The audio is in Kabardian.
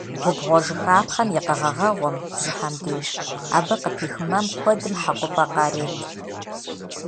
Губгъуэжыхапхъэм и къэгъэгъэгъуэм – бжьыхьэм деж, абы къыпих мэм куэдым хьэкъупӏэ къарет.